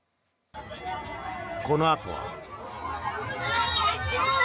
このあとは。